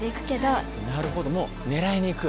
なるほどもうねらいにいく。